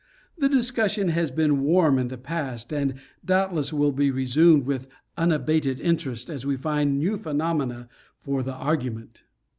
The discussion has been warm in the past, and doubtless will be resumed with unabated interest as we find new phenomena for the argument.